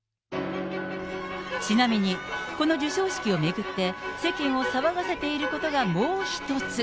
ちなみにこの授賞式を巡って、世間を騒がせていることがもう一つ。